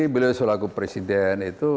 bila disuruh laku presiden itu